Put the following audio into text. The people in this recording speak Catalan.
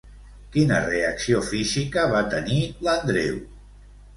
Quina reacció física va tenir l'Andreu?